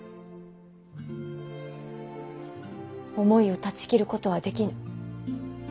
思いを断ち切ることはできぬ。